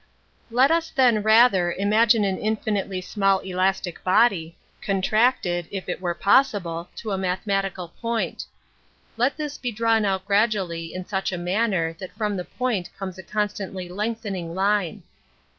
' Let us, then, rather, imagine an infinitely \ I lall elastic body, contracted, if it were ^ J is&ible, to a mathematical point. Ijet this drawn out gradually in such a manner ihat from the point comes a constantly lengthening line.